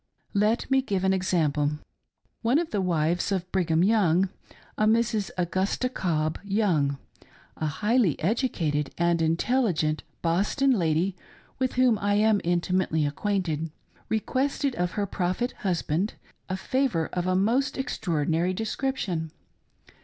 Let me give an example. One of the wives •£ Brigham Young — Mrs. Augusta Cobb Young — a highly educated and intelligent Boston lady with whom I am intimately acquainted, requested of her Prophet husband a favor of a most extraordinary description.